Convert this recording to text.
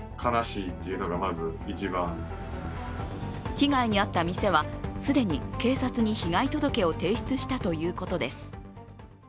被害に遭った店は既に警察に被害届を提出したということです。